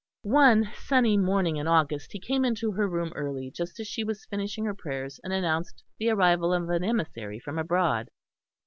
One sunny morning in August he came into her room early just as she was finishing her prayers, and announced the arrival of an emissary from abroad.